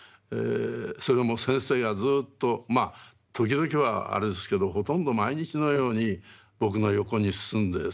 それも先生がずっとまあ時々はあれですけどほとんど毎日のように僕の横に進んでですね